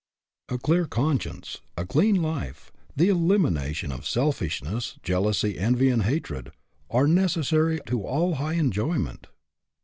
A clear conscience, a clean life, the elimination of selfishness, jealousy, envy, and hatred, are necessary to all high enjoyment.